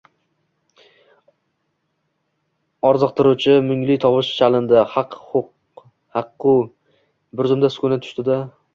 orziqtiruvchi mungli tovush chalindi: «Haq-qu, haq-qu...» Birzum sukunat tushdi-da